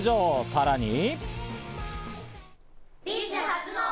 さらに。